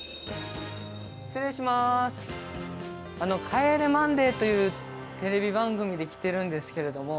『帰れマンデー』というテレビ番組で来てるんですけれども。